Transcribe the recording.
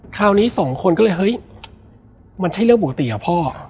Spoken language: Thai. คราวนี้สองคนก็เลยเฮ้ยมันใช่เรื่องปกติอะพ่อ